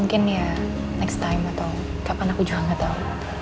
mungkin ya next time atau kapan aku juga gak tau